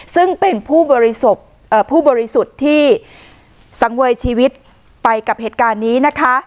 ซึ่งเป็นผู้บริสุทธิ์ที่สังเวยชีวิตไปกับเหตุการณ์นี้นะคะ